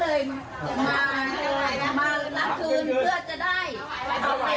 เอาเงินให้หลายหลังคืนที่